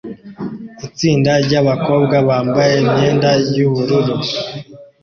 Itsinda ryabakobwa bambaye imyenda yubururu